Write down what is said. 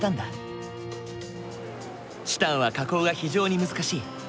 チタンは加工が非常に難しい。